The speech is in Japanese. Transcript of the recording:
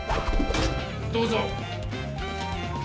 どうぞ！